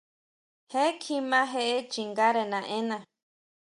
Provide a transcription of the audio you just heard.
Je kjima jee chingare naʼenna.